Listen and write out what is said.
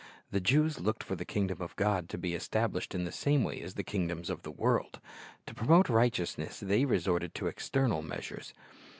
The Jews looked for the kingdom of God to be established in the same way as the kingdoms of the world. To promote righteousness they resorted to external measures.